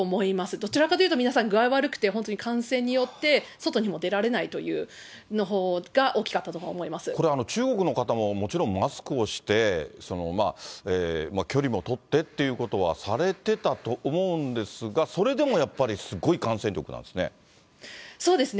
どちらかというと、皆さん、具合悪くて本当に感染によって外にも出られないという方のほうが大きこれ、中国の方ももちろんマスクをして、距離も取ってということはされてたと思うんですが、それでもやっぱり、すごい感染力なんですね。